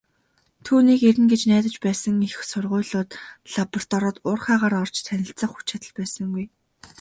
Түүнийг ирнэ гэж найдаж байсан их сургуулиуд, лабораториуд, уурхайгаар орж танилцах хүч чадал байсангүй.